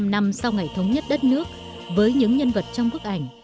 bảy mươi năm năm sau ngày thống nhất đất nước với những nhân vật trong bức ảnh